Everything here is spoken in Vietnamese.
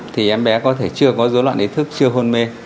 thì em bé có thể chưa có dối loạn ý thức chưa hôn mê